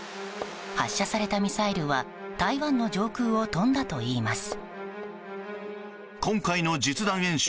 発射されたミサイルは台湾の上空を飛んだといいます。